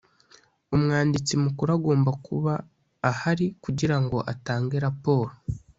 umwanditsi mukuru agomba kuba ahari kugirango atange raporo